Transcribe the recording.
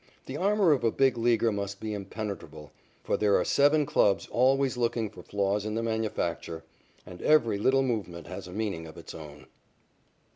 The armor of a Big Leaguer must be impenetrable, for there are seven clubs always looking for flaws in the manufacture, and "every little movement has a meaning of its own."